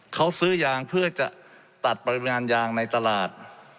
เขาซื้อยางเพื่อจะตัดปริมาณยางในตลาด